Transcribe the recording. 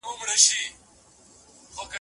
تجربه پکار ده.